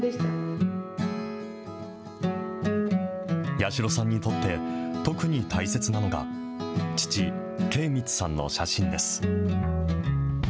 八代さんにとって、特に大切なのが、父、敬光さんの写真です。